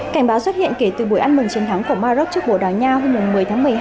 cảnh báo xuất hiện kể từ buổi ăn mừng chiến thắng của maroc trước bồ đào nha hôm một mươi tháng một mươi hai